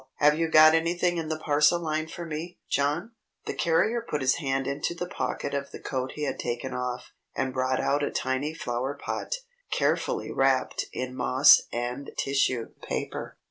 Have you got anything in the parcel line for me, John?" The carrier put his hand into the pocket of the coat he had taken off, and brought out a tiny flower pot, carefully wrapped in moss and tissue paper.